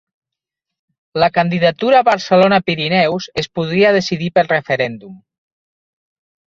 La candidatura Barcelona-Pirineus es podria decidir per referèndum